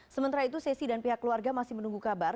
sementara itu sesi dan pihak keluarga masih menunggu kabar